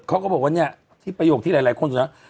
เขาก็บอกว่าเนี่ยที่ประโยคที่หลายคนสนใจ